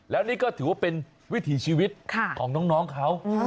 แล้วนี่ก็ถือว่าเป็นวิถีชีวิตของน้องเขา